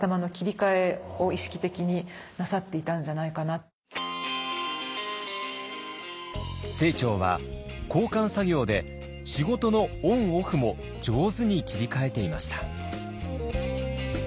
そういう意味では非常に清張は交換作業で仕事のオンオフも上手に切り替えていました。